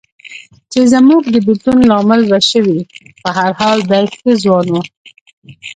چې زموږ د بېلتون لامل به شوې، په هر حال دی ښه ځوان و.